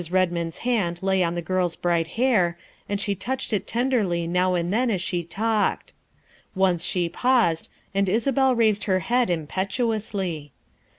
Redmond's hand lay on the girl's bright hair, and she touched it tenderly now and then as she talked. Once she paused, and Isabel raised her head impetuously.